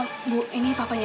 nneng lu buat apa ini